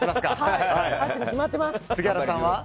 杉原さんは？